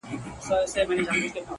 څنگه بيلتون كي گراني شعر وليكم;